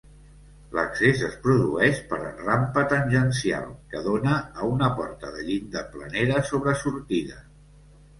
L'accés es produeix per rampa tangencial, que dóna a una porta de llinda planera sobresortida.